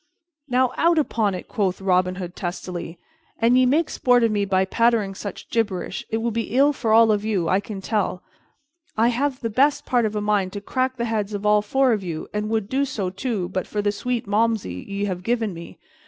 "Now out upon it," quoth Robin Hood testily, "an ye make sport of me by pattering such gibberish, it will be ill for you all, I tell you. I have the best part of a mind to crack the heads of all four of you, and would do so, too, but for the sweet Malmsey ye have given me.